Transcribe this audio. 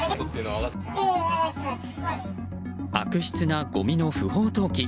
悪質なごみの不法投棄。